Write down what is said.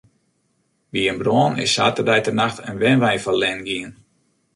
By in brân is saterdeitenacht in wenwein ferlern gien.